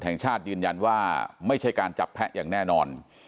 แห่งชาติยืนยันว่าไม่ใช่การจับแพะอย่างแน่นอน